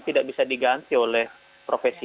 tidak bisa diganti oleh profesi